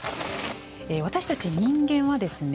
私たち人間はですね